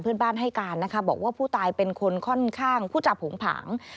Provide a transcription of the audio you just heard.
เพื่อนบ้านให้การนะคะบอกว่าผู้ตายเป็นคนค่อนข้างผู้จาโผงผาง